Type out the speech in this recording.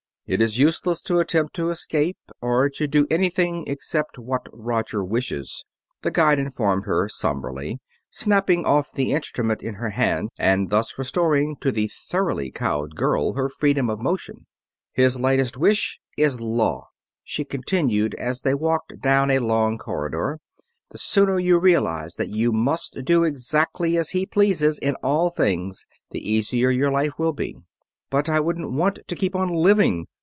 "It is useless to attempt to escape, or to do anything except what Roger wishes," the guide informed her somberly, snapping off the instrument in her hand and thus restoring to the thoroughly cowed girl her freedom of motion. "His lightest wish is law," she continued as they walked down a long corridor. "The sooner you realize that you must do exactly as he pleases, in all things, the easier your life will be." "But I wouldn't want to keep on living!"